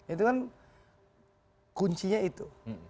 itu kan kuncinya itu